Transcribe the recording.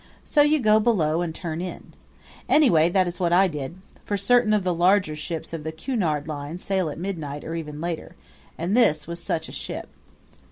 So you go below and turn in. Anyway, that is what I did; for certain of the larger ships of the Cunard line sail at midnight or even later, and this was such a ship.